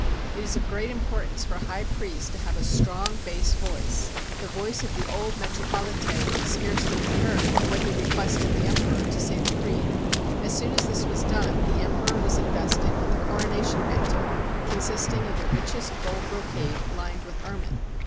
It is of great importance for a high priest to have a strong bass voice : the voice of the old metropolite could scarcely be heard, when he requested the emperor to say the creed. As soon as this was done, the emperor was invested with the coronation mantle, consisting of the richest gold brocade lined with ermine.